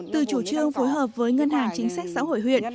từ chủ trương phối hợp với ngân hàng chính sách xã hội huyện